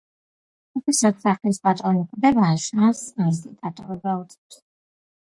როდესაც სახლის პატრონი კვდება, შანსს მისი დატოვება უწევს.